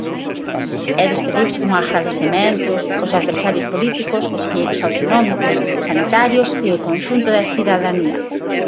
E despediuse con agradecementos; os adversarios políticos, conselleiros autonómicos, sanitarios e conxunto da cidadanía.